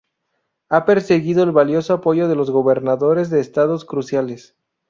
Ha perseguido el valioso apoyo de los gobernadores de estados cruciales.